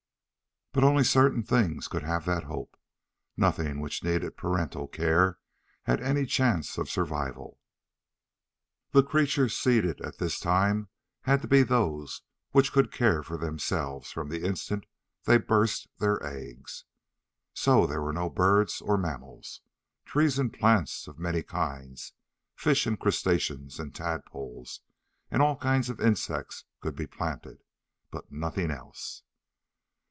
But only certain things could have that hope. Nothing which needed parental care had any chance of survival. The creatures seeded at this time had to be those which could care for themselves from the instant they burst their eggs. So there were no birds or mammals. Trees and plants of many kinds, fish and crustaceans and tadpoles, and all kinds of insects could be planted. But nothing else.